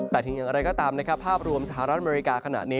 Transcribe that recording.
แต่ถึงอย่างไรก็ตามนะครับภาพรวมสหรัฐอเมริกาขณะนี้